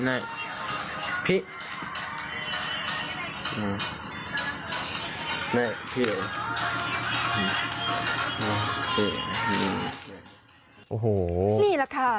นี่พี่